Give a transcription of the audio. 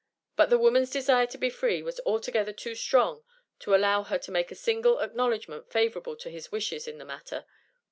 but the woman's desire to be free was altogether too strong to allow her to make a single acknowledgment favorable to his wishes in the matter.